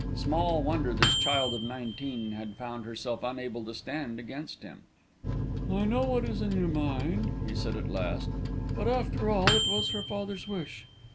Small wonder this child of nineteen had found herself unable to stand against him! "I know what is in your mind," he said, at last. "But, after all, it was her father's wish.